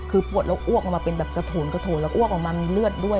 คือปวดแล้วอ้วกออกมาเป็นแบบกระโถนกระโถนแล้วอ้วกออกมามีเลือดด้วย